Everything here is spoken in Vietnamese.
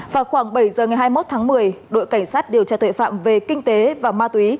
vào khoảng bảy giờ ngày hai mươi một tháng một mươi đội cảnh sát điều tra tội phạm về kinh tế và ma túy